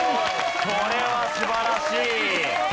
これは素晴らしい。